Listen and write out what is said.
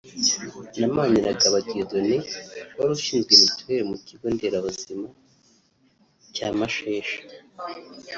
na Maniragaba Dieudone wari ushinzwe Mituweli mu kigo nderabuzima cya Mashesha